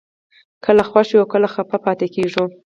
کله خوښ یو او کله خفه پاتې کېږو